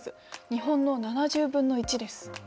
日本の７０分の１です。